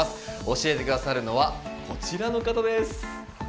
教えて下さるのはこちらの方です。